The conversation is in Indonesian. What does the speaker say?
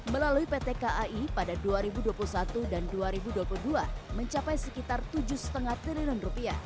melalui pt kai pada dua ribu dua puluh satu dan dua ribu dua puluh dua mencapai sekitar rp tujuh lima triliun